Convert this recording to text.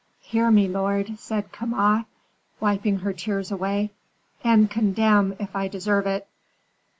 "Hear me, lord," said Kama, wiping her tears away, "and condemn if I deserve it.